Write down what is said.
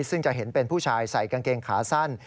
ซึ่งจะเห็นเป็นผู้ชายใส่กางเกงขาสั้น